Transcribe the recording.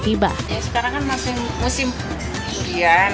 sekarang kan masih musim durian